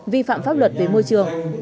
vi phạm pháp luật về môi trường